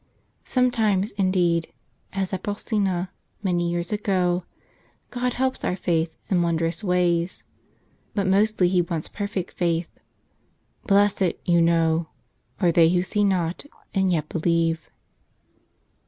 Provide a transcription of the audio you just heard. Sometimes, indeed, as at Bol¬ sena many years ago, God helps our faith in wondrous ways, but mostly He wants perfect faith. "Blessed," you know, "are they who see not and yet believe."